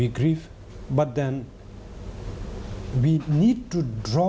แต่เราต้องกลัวและต้องกลัวและต้องกลัว